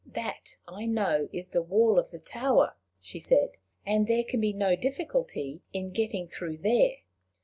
"That, I know, is the wall of the tower," she said; "and there can be no difficulty in getting through there.